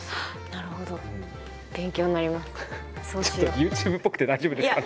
ＹｏｕＴｕｂｅっぽくて大丈夫ですかね？